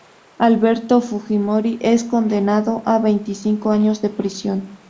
Alberto Fujimori es condenado a veinticinco años de prisión.